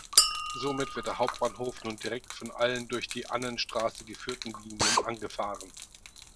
Somit wird der Hauptbahnhof nun direkt von allen durch die Annenstraße geführten Linien angefahren.